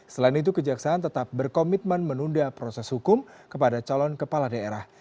selain itu kejaksaan tetap berkomitmen menunda proses hukum kepada calon kepala daerah